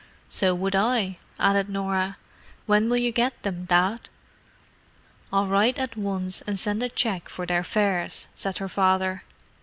"So would I," added Norah. "When will you get them, Dad?" "I'll write at once and send a cheque for their fares," said her father.